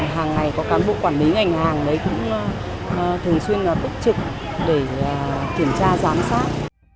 hàng ngày có cán bộ quản lý ngành hàng cũng thường xuyên bức trực để kiểm tra giám sát